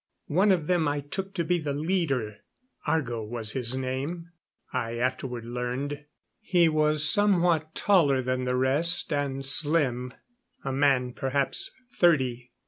One of them I took to be the leader. Argo was his name, I afterward learned. He was somewhat taller than the rest, and slim. A man perhaps thirty.